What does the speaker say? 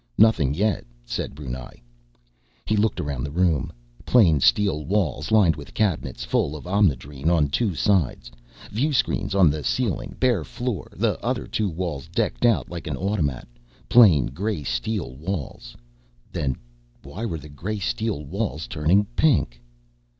"Nothing yet," said Brunei. He looked around the room. Plain steel walls, lined with cabinets full of Omnidrene on two sides, viewscreen on the ceiling, bare floor, the other two walls decked out like an automat. Plain, gray steel walls.... _Then why were the gray steel walls turning pink?